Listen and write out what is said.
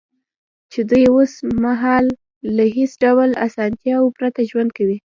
چې دوی اوس مهال له هېڅ ډول اسانتیاوو پرته ژوند کوي